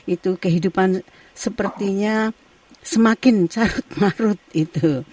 itu kehidupan sepertinya semakin carut marut itu